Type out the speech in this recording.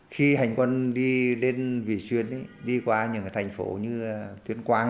khi hành quân đi đến vị xuyên đi qua những thành phố như tuyến quang